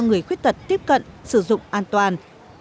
người khuyết tật tiếp cận sử dụng an toàn